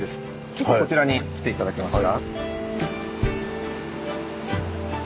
ちょっとこちらに来て頂けますか。